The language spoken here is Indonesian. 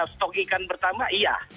stok ikan pertama iya